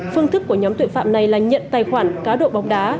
phương thức của nhóm tội phạm này là nhận tài khoản cá độ bóng đá